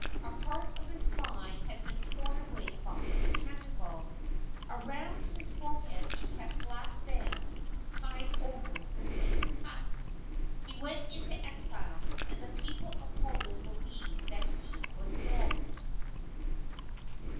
A part of his thigh had been torn away by a cannon ball. Around his forehead, he kept a black band tied over the sabre cut. He went into exile, and the people of Poland believed that he was dead.